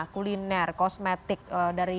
kuliner kosmetik dari